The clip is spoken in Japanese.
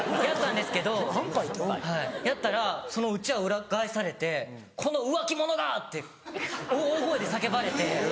やったらそのうちわを裏返されて「この浮気者が！」って大声で叫ばれて。